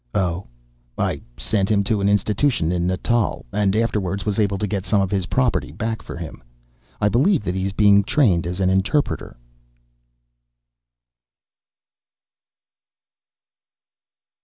"Oh! I sent him to an institution in Natal, and afterwards was able to get some of his property back for him. I believe that he is being trained as an interpreter."